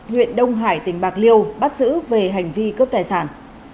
huyện đông hải tỉnh bạc liêu bắt giữ về hành vi cướp tài sản